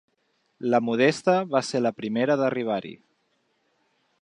La Modesta va ser la primera d'arribar-hi.